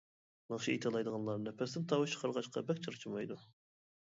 ناخشا ئېيتالايدىغانلار نەپەستىن تاۋۇش چىقارغاچقا، بەك چارچىمايدۇ.